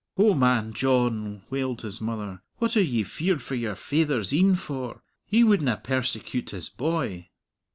"O man John," wailed his mother, "what are ye feared for your faither's een for? He wouldna persecute his boy."